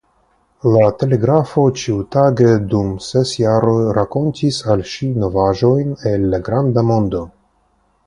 La telegrafo ĉiutage dum ses jaroj rakontis al ŝi novaĵojn el la granda mondo.